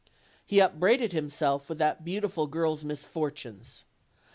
He upbraided himself with that beautiful girl's misfor tunes.